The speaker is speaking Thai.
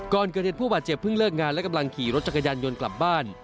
ก่อนเกิดเหตุผู้บาดเจ็บเพิ่งเลิกงานและกำลังขี่รถจักรยานยนต์กลับบ้าน